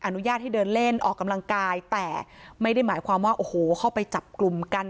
อนุญาตให้เดินเล่นออกกำลังกายแต่ไม่ได้หมายความว่าโอ้โหเข้าไปจับกลุ่มกัน